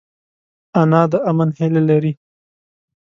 انا د امن هیله لري